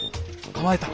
構えた！